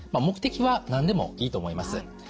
目的は何でもいいと思います。